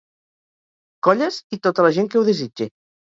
Colles i tota la gent que ho desitge.